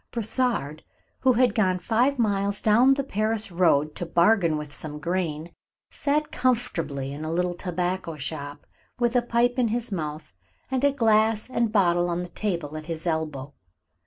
Brossard, who had gone five miles down the Paris road to bargain about some grain, sat comfortably in a little tobacco shop, with a pipe in his mouth and a glass and bottle on the table at his elbow.